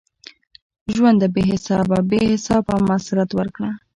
ژونده بی حسابه ؛ بی حسابه مسرت ورکړه